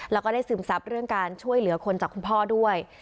แล้วก็ได้ซึมซับเรื่องการช่วยเหลือคนจากคุณพ่อด้วย